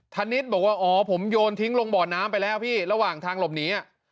ธนิษฐ์บอกว่าอ๋อผมโยนทิ้งลงบ่อน้ำไปแล้วพี่ระหว่างทางหลบหนี